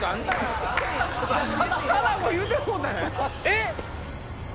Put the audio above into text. えっ！